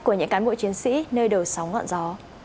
của những cán bộ chiến sĩ nơi đầu sóng ngọn gió